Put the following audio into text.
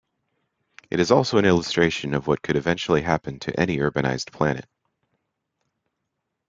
It is also an illustration of what could eventually happen to any urbanized planet.